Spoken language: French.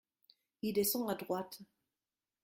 Il descend à droite.